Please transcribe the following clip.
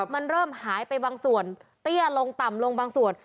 มันเริ่มหายไปบางส่วนเตี้ยลงต่ำลงบางส่วน